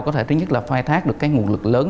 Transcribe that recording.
có thể thứ nhất là phai thác được nguồn lực lớn